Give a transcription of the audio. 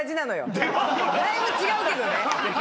だいぶ違うけどね。